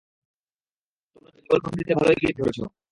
তোমরা দুইজনে মিলে যুগলবন্দীতে ভালোই গীত ধরেছ।